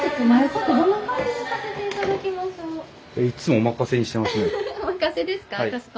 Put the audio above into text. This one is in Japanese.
おまかせですか。